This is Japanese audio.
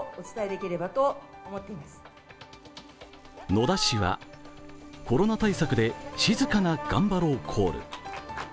野田氏は、コロナ対策で静かなガンバローコール。